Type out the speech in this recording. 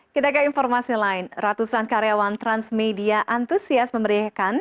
kita ke informasi lain ratusan karyawan transmedia antusias memeriahkan